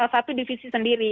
satu divisi sendiri